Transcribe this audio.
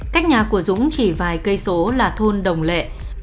cách nhà của dũng chỉ vài cây số là thôn đồng lệ